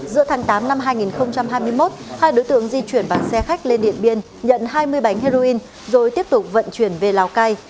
giữa tháng tám năm hai nghìn hai mươi một hai đối tượng di chuyển bằng xe khách lên điện biên nhận hai mươi bánh heroin rồi tiếp tục vận chuyển về lào cai